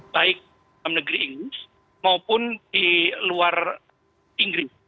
baik dalam negeri inggris maupun di luar inggris